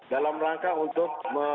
dalam rangka untuk